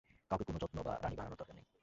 কাউকে কোন যত্ন বা রাণী বানানোর দরকার নেই।